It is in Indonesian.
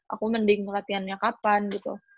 aku mending latihannya kapan gitu